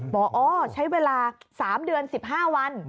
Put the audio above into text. อ๋อใช้เวลา๓เดือน๑๕วัน